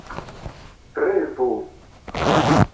revo